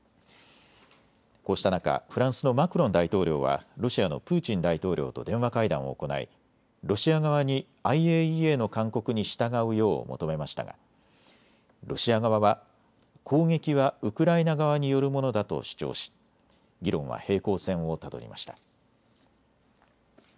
こうした中、フランスのマクロン大統領はロシアのプーチン大統領と電話会談を行いロシア側にＩＡＥＡの勧告に従うよう求めましたがロシア側は攻撃はウクライナ側によるものだと主張し議論は平行線をたどりました。